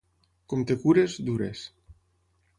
Com et cures, dures.